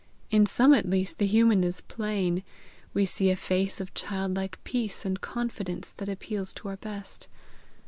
In some at least the human is plain; we see a face of childlike peace and confidence that appeals to our best.